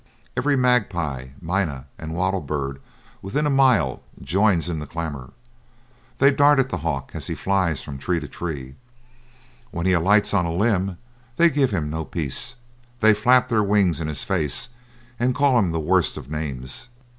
Every magpie, minah, and wattle bird within a mile joins in the clamour. They dart at the hawk as he flies from tree to tree. When he alights on a limb they give him no peace; they flap their wings in his face, and call him the worst of names.